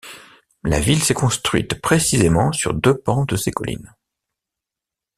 La ville s’est construite précisément sur deux pans de ces collines.